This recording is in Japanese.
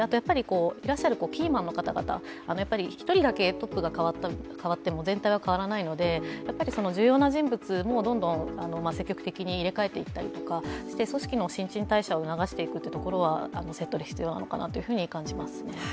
いらっしゃるキーマンの方々、１人だけトップが代わっても全体は変わらないので、重要な人物もどんどん積極的に入れ替えていったりとかして組織の新陳代謝を促していくところはセットで必要かなと思います。